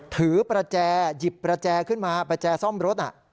ประแจหยิบประแจขึ้นมาประแจซ่อมรถ